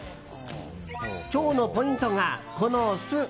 今日のポイントが、この酢。